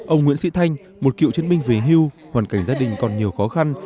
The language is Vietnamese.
ông nguyễn sĩ thanh một cựu chiến binh về hưu hoàn cảnh gia đình còn nhiều khó khăn